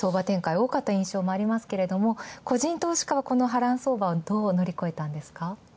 多かった印象もあるが、個人投資家は波乱相場をどう乗り越えたんですか？